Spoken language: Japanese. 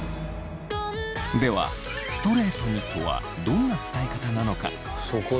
ではストレートにとはどんな伝え方なのか？